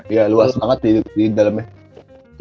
ya luas banget di dalamnya